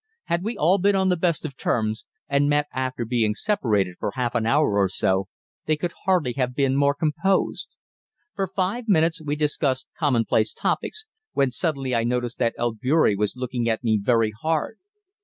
Had we all been on the best of terms, and met after being separated for half an hour or so, they could hardly have been more composed. For five minutes we discussed commonplace topics, when suddenly I noticed that Albeury was looking at me very hard.